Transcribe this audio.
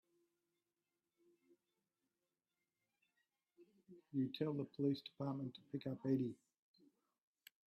You tell the police department to pick up Eddie.